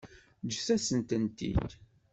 Ǧǧant-asen-tent-id.